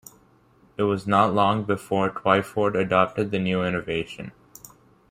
It was not long before Twyford adopted the new innovation.